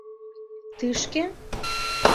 Тышке?